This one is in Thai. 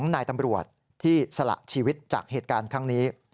นายตำรวจที่สละชีวิตจากเหตุการณ์ครั้งนี้